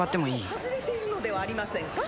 枠を外れているのではありませんか？